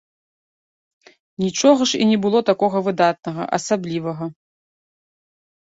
Нічога ж і не было такога выдатнага, асаблівага.